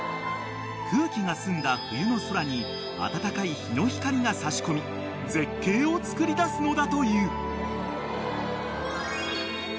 ［空気が澄んだ冬の空に暖かい日の光が差し込み絶景をつくり出すのだという］